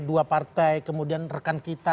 dua partai kemudian rekan kita